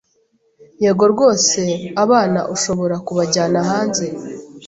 Yego rwose, abana ushobora kubajyana hanze.